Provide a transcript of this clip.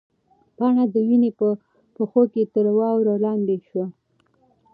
پاڼه د ونې په پښو کې تر واورو لاندې شوه.